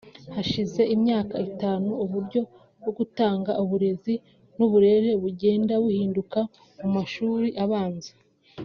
Hashize imyaka itanu uburyo bwo gutanga uburezi n’uburere bugenda buhinduka mu mashuri abanza